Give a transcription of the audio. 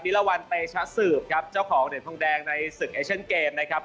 นิลวัลเตชาสืบครับเจ้าของเด่นพรุ่งแดงในศึกเอชเชินเกมนะครับ